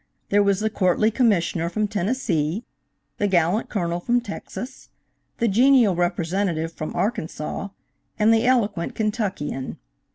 There was the courtly Commissioner from Tennessee, the gallant Colonel from Texas, the genial representative from Arkansas, and the eloquent Kentuckian.